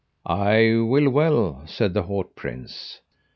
I will well, said the haut prince.